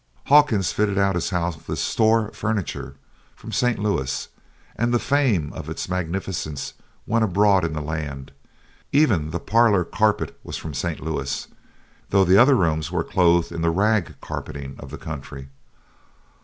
Hawkins fitted out his house with "store" furniture from St. Louis, and the fame of its magnificence went abroad in the land. Even the parlor carpet was from St. Louis though the other rooms were clothed in the "rag" carpeting of the country.